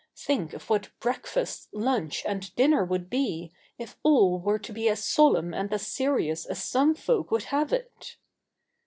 Think of what breakfast, lunch, and dinner would be if all were to be as solemn and as serious as some folk would have it!